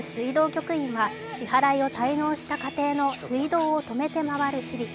局員は支払いを滞納した家庭の水道を止めて回る日々。